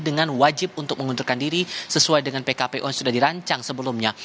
dengan wajib untuk mengundurkan diri sesuai dengan pkpu yang sudah dirancang sebelumnya